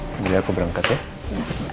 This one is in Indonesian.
jadi aku berangkat ya